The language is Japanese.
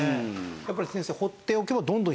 やっぱり先生。